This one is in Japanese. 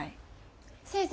先生